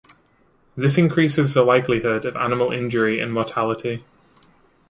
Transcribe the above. This increases the likelihood of animal injury and mortality.